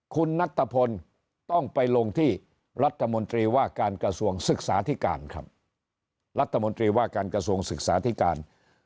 คุณนัทพลต้องไปลงที่รัฐมนตรีว่าการกระทรวงศึกษาธิการครับรัฐมนตรีว่าการกระทรวงศึกษาธิการ